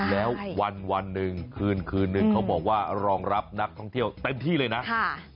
แล้ววันหนึ่งคืนคืนนึงเขาบอกว่ารองรับนักท่องเที่ยวเต็มที่เลยนะ